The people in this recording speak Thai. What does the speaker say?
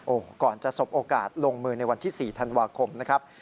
โอ้โหก่อนจะสบโอกาสลงมือในวันที่๔ธันวาคมนะครับ